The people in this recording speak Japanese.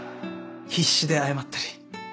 必死で謝ったり。